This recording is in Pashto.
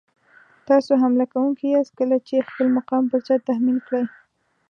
تاسو حمله کوونکي یاست کله چې خپل مقام پر چا تحمیل کړئ.